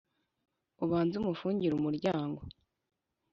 ubanze umufungurire umuryango